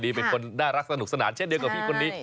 เป็นคนน่ารักสนุกสนานเช่นเดียวกับพี่คนนี้